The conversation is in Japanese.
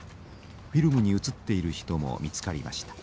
フィルムに写っている人も見つかりました。